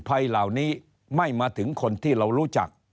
ภัยเหล่านี้ไม่มาถึงคนที่เรารู้จัก